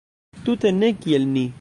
Tute ne kiel ni!